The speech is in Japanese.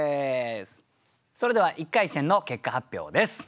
それでは１回戦の結果発表です。